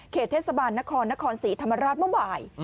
เทศบาลนครนครศรีธรรมราชเมื่อบ่าย